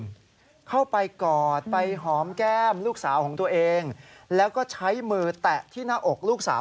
แตะที่นาอกลูกสาวของตัวเองเนี่ยแหละ